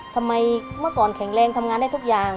ทำไมเมื่อก่อนแข็งแรงทำงานได้ทุกอย่าง